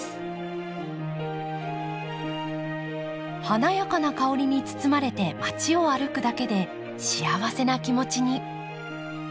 華やかな香りに包まれて街を歩くだけで幸せな気持ちに。